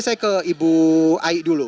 kalau ibu aik dulu